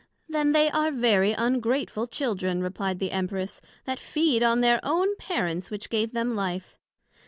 Then they are very ungrateful Children, replied the Empress, that they feed on their own Parents which gave them life.